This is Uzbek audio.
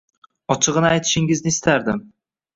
Ochigʻini aytishingizni istardim